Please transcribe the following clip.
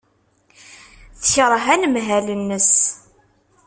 Tekṛeh anemhal-nnes.